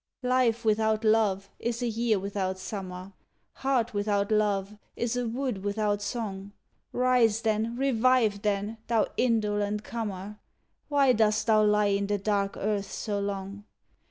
Life without love, is a year without Summer, Heart without love, is a wood without song. Rise then, revive then, thou indolent comer, Why dost thou lie in the dark earth so long?